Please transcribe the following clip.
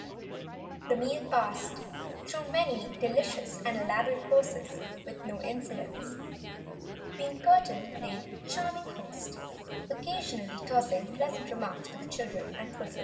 The meal passed, through many delicious and elaborate courses, with no incidents. Queen Curtain played the charming host, occasionally tossing pleasant remarks to the children and Twiffle.